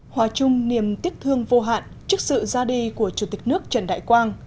hòa chung niềm tiếc thương vô hạn trước sự ra đi của chủ tịch nước trần đại quang